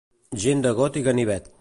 Gent de got i ganivet.